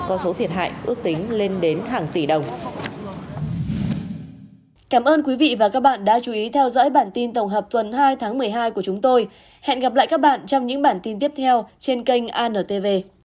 con số thiệt hại ước tính lên đến hàng tỷ đồng